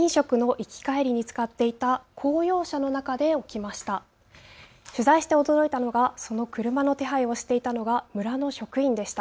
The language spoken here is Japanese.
この事件、議長は私的な飲食の行き帰りに使っていた公用車の中で起きました。